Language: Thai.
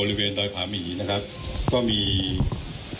คุณผู้ชมไปฟังผู้ว่ารัฐกาลจังหวัดเชียงรายแถลงตอนนี้ค่ะ